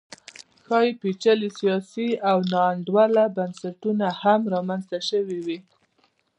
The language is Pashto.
ښايي پېچلي سیاسي او ناانډوله بنسټونه هم رامنځته شوي وي